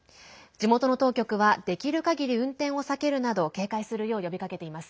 地元の当局はできるかぎり運転を避けるなど警戒するよう呼びかけています。